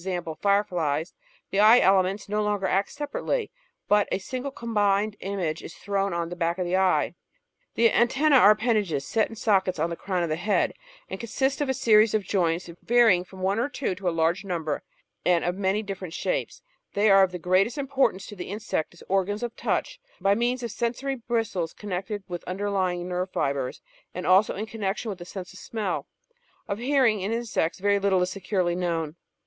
fireflies, the eye elements no longer act separately, but a single combined image is thrown on the back of the eye. (See figures facing pages 807 808.) The antennce are appendages set in sockets on the crown of the head, and consist of a series of joints, varying from one .or two to a large number, and of many different shapes. They are of the greatest importance to the insect as organs of touch, by means of sensory bristles connected with underlying nerve fibres, and also in connection with the sense of smell. Of hear ing, in insects, very little is securely known.